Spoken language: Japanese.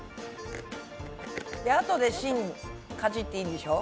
であとで芯かじっていいんでしょ？